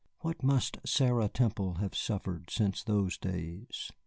What must Sarah Temple have suffered since those days!